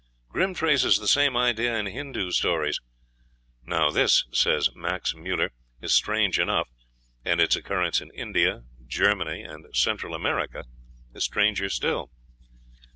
Grimm traces the same idea in Hindoo stories. "Now this," says Max Müller, "is strange enough, and its occurrence in India, Germany, and Central America is stranger still."